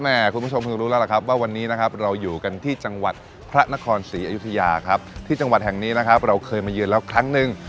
คุณผู้ชมคงรู้แล้วล่ะครับว่าวันนี้นะครับเราอยู่กันที่จังหวัดพระนครศรีอยุธยาครับที่จังหวัดแห่งนี้นะครับเราเคยมาเยือนแล้วครั้งหนึ่ง